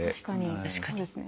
確かにそうですね。